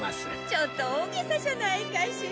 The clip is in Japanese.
ちょっと大げさじゃないかしら？